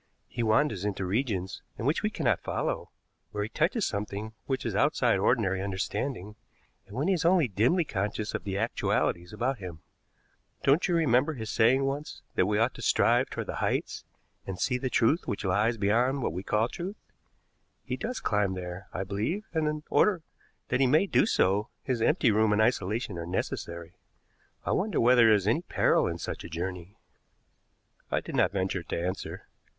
"He wanders into regions into which we cannot follow where he touches something which is outside ordinary understanding, and when he is only dimly conscious of the actualities about him. Don't you remember his saying once that we ought to strive toward the heights, and see the truth which lies behind what we call truth? He does climb there, I believe, and, in order that he may do so, his empty room and isolation are necessary. I wonder whether there is any peril in such a journey?" I did not venture to answer.